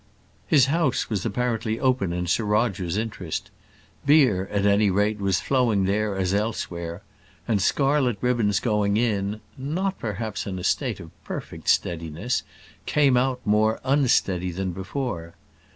His house was apparently open in Sir Roger's interest. Beer, at any rate, was flowing there as elsewhere; and scarlet ribbons going in not, perhaps, in a state of perfect steadiness came out more unsteady than before.